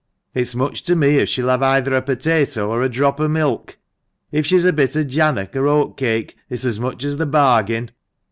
It's much to me if she'll have either a potato or a drop of milk. If she's a bit of jannock, or oat cake, it's as much as the bargain.